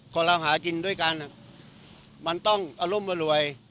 คนเราหากินด้วยกันมันต้องอารมณ์อรวย